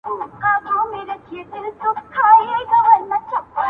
موږ ته یې کیسه په زمزمو کي رسېدلې ده-